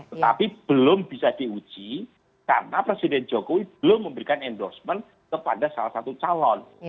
tetapi belum bisa diuji karena presiden jokowi belum memberikan endorsement kepada salah satu calon